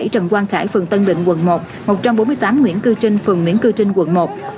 sáu mươi bảy trần quang khải phường tân định quận một một trăm bốn mươi tám nguyễn cư trinh phường nguyễn cư trinh quận một